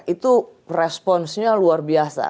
itu responsnya luar biasa